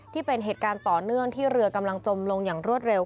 ที่เป็นเหตุการณ์ต่อเนื่องที่เรือกำลังจมลงอย่างรวดเร็ว